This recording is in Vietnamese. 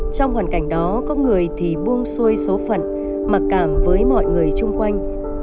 trong hoàn cảnh đó có người thì buông xuôi số phận mặc cảm với mọi người chung quanh